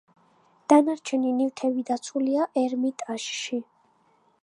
დანარჩენი ნივთები დაცულია ერმიტაჟში.